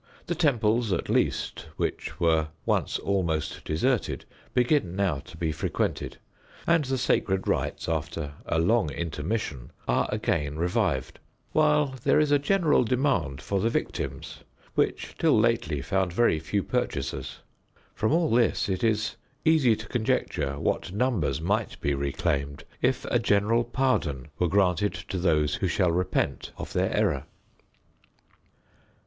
The temples, at least, which were once almost deserted, begin now to be frequented; and the sacred rites, after a long intermission, are again revived; while there is a general demand for the victims, which till lately found very few purchasers. From all this it is easy to conjecture what numbers might be reclaimed if a general pardon were granted to those who shall repent of their error.